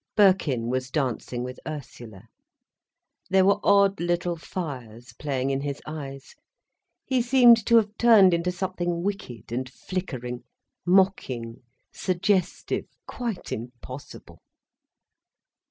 Birkin was dancing with Ursula. There were odd little fires playing in his eyes, he seemed to have turned into something wicked and flickering, mocking, suggestive, quite impossible.